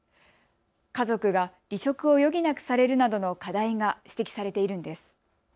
家族が離職を余儀なくされるなどの課題が指摘されているんです。